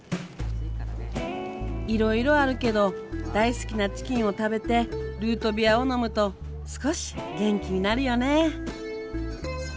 いろいろあるけど大好きなチキンを食べてルートビアを飲むと少し元気になるよねぇ。